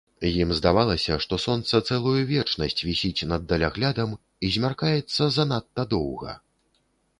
Ім здавалася, што сонца цэлую вечнасць вісіць над даляглядам і змяркаецца занадта доўга.